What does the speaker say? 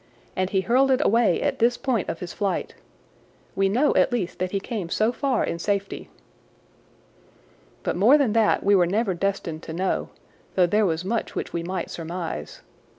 And he hurled it away at this point of his flight. We know at least that he came so far in safety." But more than that we were never destined to know, though there was much which we might surmise.